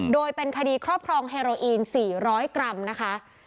โดยเป็นคดีครอบครองเฮโรอีน๔๐๐กรัมนะคะ